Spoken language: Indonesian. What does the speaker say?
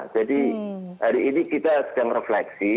jadi hari ini kita sedang refleksi